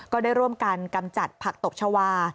ก็ได้ร่วมกันกำจัดผักตบชาวา